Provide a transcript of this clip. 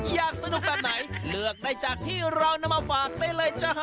อยากสนุกแบบไหนเลือกได้จากที่เรานำมาฝากได้เลยจ้า